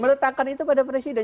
meletakkan itu pada presiden